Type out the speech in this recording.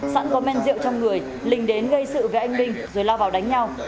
sẵn có men rượu trong người lình đến gây sự với anh minh rồi lao vào đánh nhau